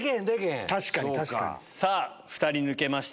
さぁ２人抜けました！